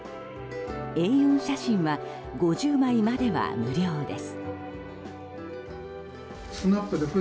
Ａ４写真は５０枚までは無料です。